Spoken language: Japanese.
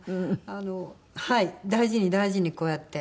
はい大事に大事にこうやって。